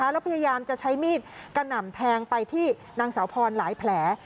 แล้วพยายามจะใช้มีดกระหน่ำแทงไปที่นางสาวพรหลายแผล